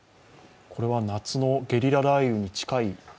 これは夏のゲリラ雷雨に近い？